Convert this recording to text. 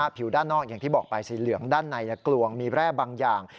ผิวด้านนอกอย่างที่บอกไปสีเหลืองด้านในกลวงมีแร่บางอย่าง